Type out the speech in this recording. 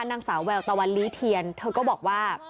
นางสาวแววตะวันลีเทียนเธอก็บอกว่า